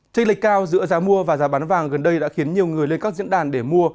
tranh lệch cao giữa giá mua và giá bán vàng gần đây đã khiến nhiều người lên các diễn đàn để mua